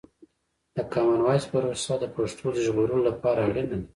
د کامن وایس پروسه د پښتو د ژغورلو لپاره اړینه ده.